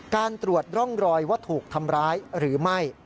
การตรวจร่องรอยว่าถูกทำร้ายหรือไม่